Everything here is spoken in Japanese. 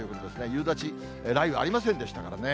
夕立、雷雨ありませんでしたからね。